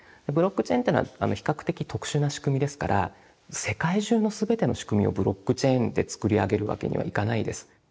ブロックチェーンってのは比較的特殊な仕組みですから世界中の全ての仕組みをブロックチェーンで作り上げるわけにはいかないです。